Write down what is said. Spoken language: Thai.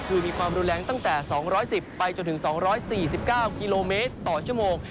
คือมีความรุนแรงตั้งแต่๒๑๐ไปจนถึง๒๔๙กิโลเมตรต่อชั่วโมง